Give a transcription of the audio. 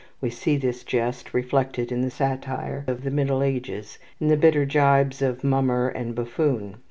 We see this jest reflected in the satire of the Middle Ages, in the bitter gibes of mummer and buffoon.